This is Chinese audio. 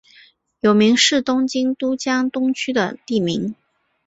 有明是东京都江东区的地名。